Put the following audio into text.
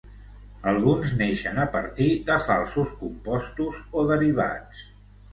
Alguns neixen a partir de falsos compostos o derivats.